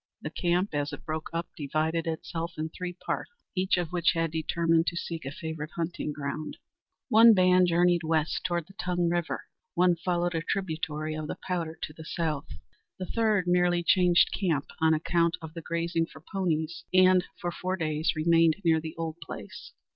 The camp as it broke up divided itself in three parts, each of which had determined to seek a favorite hunting ground. One band journeyed west, toward the Tongue river. One followed a tributary of the Powder to the south. The third merely changed camp, on account of the grazing for ponies, and for four days remained near the old place.